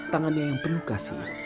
tangannya yang penuh kasih